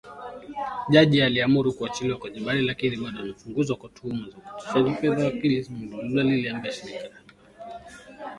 Jaji aliamuru kuachiliwa kwa Jebali lakini bado anachunguzwa kwa tuhuma za utakatishaji fedha, wakili Samir Dilou aliliambia shirika la habari.